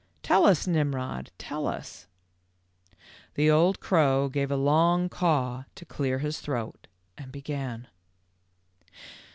"Tell us, Nimrod; tell us." The old crow gave a long caw to clear his throat and began.